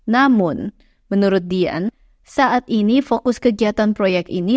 namun menurut dian saat ini fokus kegiatan proyek ini